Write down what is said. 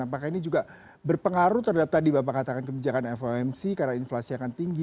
apakah ini juga berpengaruh terhadap tadi bapak katakan kebijakan fomc karena inflasi akan tinggi